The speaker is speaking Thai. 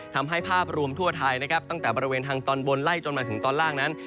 ภาพรวมทั่วไทยนะครับตั้งแต่บริเวณทางตอนบนไล่จนมาถึงตอนล่างนั้น